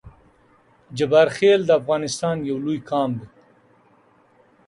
جبارخیل د افغانستان یو لوی قام دی